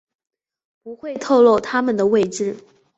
不会透漏他们的位置